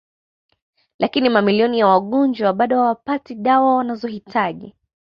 Lakini mamilioni ya wagonjwa bado hawapati dawa wanazohitaji